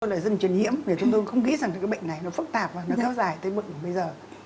chúng tôi là dân chuyển nhiễm chúng tôi không nghĩ rằng cái bệnh này nó phức tạp và nó kéo dài tới bận của bây giờ